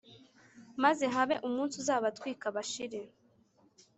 maze habe umunsi uzabatwika bashire